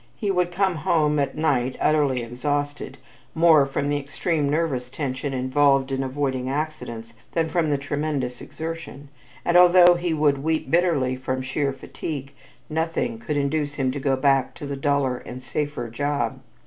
He would come home at night utterly exhausted, more from the extreme nervous tension involved in avoiding accidents than from the tremendous exertion, and although he would weep bitterly from sheer fatigue, nothing could induce him to go back to the duller and safer job.